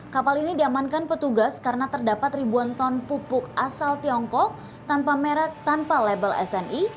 kapal ini diamankan petugas karena terdapat ribuan ton pupuk asal tiongkok tanpa merek tanpa label sni